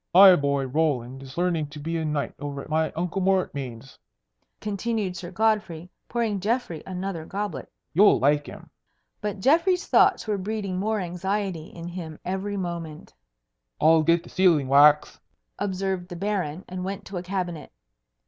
"My boy Roland's learning to be a knight over at my uncle Mortmain's," continued Sir Godfrey, pouring Geoffrey another goblet. "You'll like him." But Geoffrey's thoughts were breeding more anxiety in him every moment. "I'll get the sealing wax," observed the Baron, and went to a cabinet.